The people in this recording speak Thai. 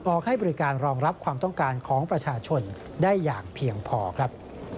ให้บริการรองรับความต้องการของประชาชนได้อย่างเพียงพอครับ